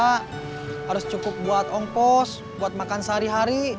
harus cukup buat ongkos buat makan sehari hari